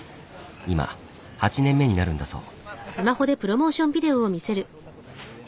今８年目になるんだそう。